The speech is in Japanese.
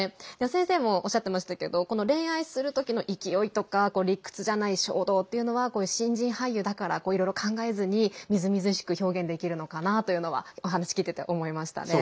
先生も、おっしゃってましたけど恋愛するときの勢いとか理屈じゃない衝動っていうのはこういう新人俳優だからいろいろ考えずに、みずみずしく表現できるのかなというのはお話聞いてて思いましたね。